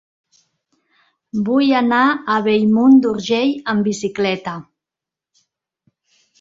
Vull anar a Bellmunt d'Urgell amb bicicleta.